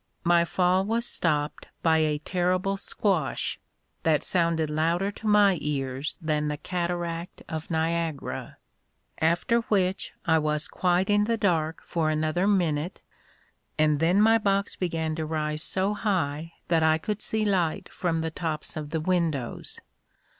My fall was stopped by a terrible squash, that sounded louder to my ears than the cataract of Niagara; after which I was quite in the dark for another minute, and then my box began to rise so high that I could see light from the tops of the windows.